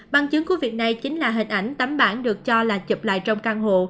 bằng chứng của việc này chính là hình ảnh tấm bản được cho là chụp lại trong căn hộ